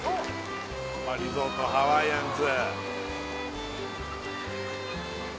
スパリゾートハワイアンズ